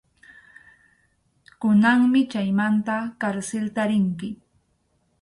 Kunanmi chaymanta karsilta rinki.